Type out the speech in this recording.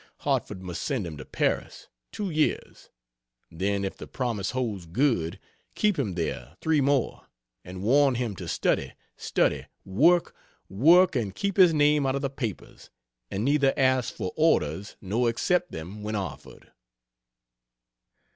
Hartford must send him to Paris two years; then if the promise holds good, keep him there three more and warn him to study, study, work, work, and keep his name out of the papers, and neither ask for orders nor accept them when offered."